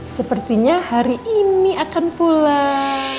sepertinya hari ini akan pulang